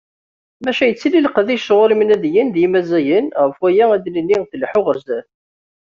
Maca yettili leqdic sɣur imnadiyen d yimazzagen, ɣef waya ad d-nini tleḥḥu ɣer sdat.